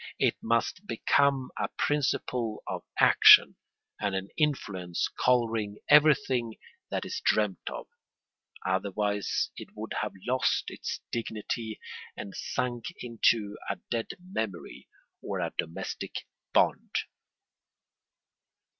It must become a principle of action and an influence colouring everything that is dreamt of; otherwise it would have lost its dignity and sunk into a dead memory or a domestic bond.